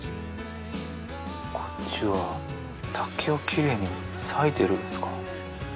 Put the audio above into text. こっちは竹をキレイに割いてるんですか？